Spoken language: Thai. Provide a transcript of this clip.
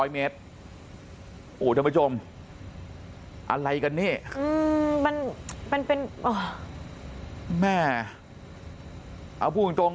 ๒๐๐เมตรโอ้ท่านผู้ชมอะไรกันเนี่ยมันมันเป็นแม่พูดตรง